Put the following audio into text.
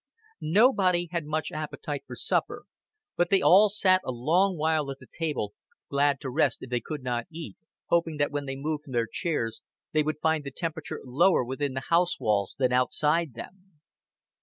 Nobody had much appetite for supper, but they all sat a long while at the table, glad to rest if they could not eat, hoping that when they moved from their chairs they would find the temperature lower within the house walls than outside them.